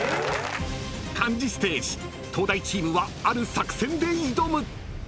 ［漢字ステージ東大チームはある作戦で挑む！］